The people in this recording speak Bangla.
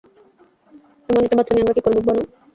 এমন একটা বাচ্চা নিয়ে আমরা কী করব, ভানু?